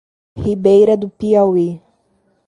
Ribeira do Piauí